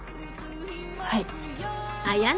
はい。